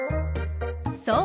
そう！